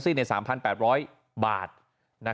มีภาพจากกล้อมรอบหมาของเพื่อนบ้าน